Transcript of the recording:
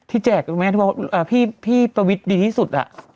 เอ่อเอ่อที่แจกหรือไม่พี่พี่ประวิทย์ดีที่สุดอ่ะ